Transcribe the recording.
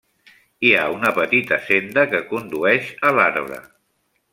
Hi ha una petita senda que condueix a l'arbre.